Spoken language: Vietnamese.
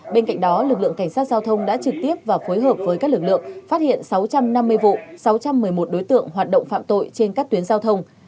bên cạnh đó lực lượng cảnh sát giao thông đã trực tiếp và phối hợp với các lực lượng phát hiện sáu trăm năm mươi vụ sáu trăm một mươi một đối tượng hoạt động phạm tội trên các tuyến giao thông